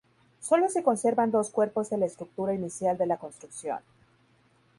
Sólo se conservan dos cuerpos de la estructura inicial de la construcción.